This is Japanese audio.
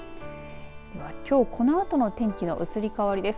きょう、このあとの天気の移り変わりです。